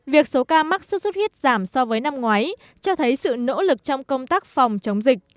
việc số ca mắc sốt xuất huyết giảm so với năm ngoái cho thấy sự nỗ lực trong công tác phòng chống dịch